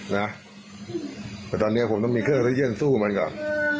แต่ตอนนี้ผมต้องมีเครื่องที่เลี่ยนสู้มันก่อน